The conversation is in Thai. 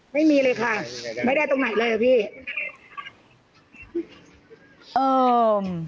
ไม่มีเลยค่ะไม่ได้ตรงไหนเลยอ่ะพี่เอิญ